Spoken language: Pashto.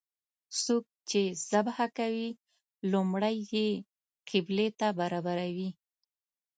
څوک چې ذبحه کوي لومړی یې قبلې ته برابروي.